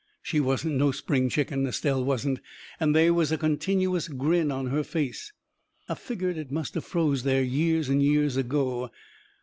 She wasn't no spring chicken, Estelle wasn't, and they was a continuous grin on her face. I figgered it must of froze there years and years ago.